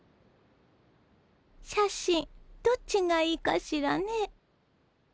写真どっちがいいかしらね。